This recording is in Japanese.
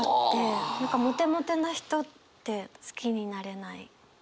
何かモテモテな人って好きになれない。